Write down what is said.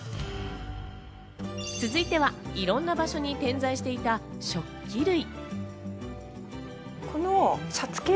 続いては、いろんな場所に点在していた食器類。